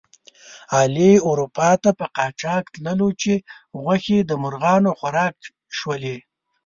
علي اروپا ته په قاچاق تللو چې غوښې د مرغانو خوراک شولې.